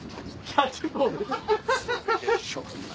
キャッチボールアハハ。